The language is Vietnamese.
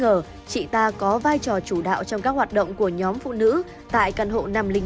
cơ quan công an nghi ngờ chị ta có vai trò chủ đạo trong các hoạt động của nhóm phụ nữ tại căn hộ năm trăm linh một